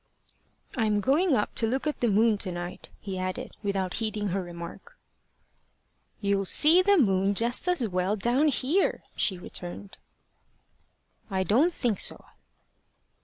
"I'm going up to look at the moon to night," he added, without heeding her remark. "You'll see the moon just as well down here," she returned. "I don't think so."